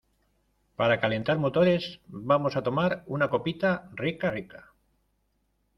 ¡ para calentar motores, vamos a tomar una copita rica , rica!